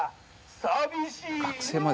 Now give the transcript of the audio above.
寂しいの。